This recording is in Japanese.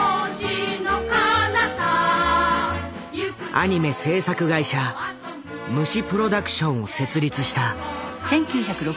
アニメ制作会社「虫プロダクション」を設立した。